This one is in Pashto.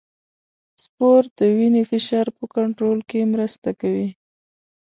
سپورت د وینې فشار په کنټرول کې مرسته کوي.